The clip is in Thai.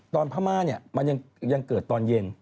พม่าเนี่ยมันยังเกิดตอนเย็น